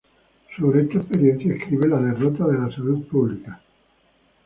Sobre esta experiencia escribe "La Derrota de la salud pública.